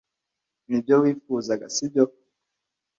Nibyo wifuzaga, sibyo?